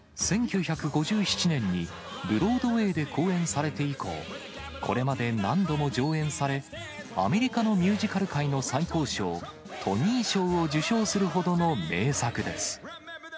１９５７年にブロードウェイで公演されて以降、これまで何度も上演され、アメリカのミュージカル界の最高賞、トニー賞を受賞するほどの名作です。